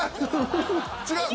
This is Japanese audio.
違う。